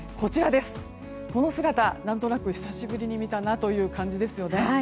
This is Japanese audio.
この姿、何となく久しぶりに見た感じですよね。